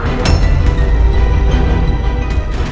mau keluar mau kemana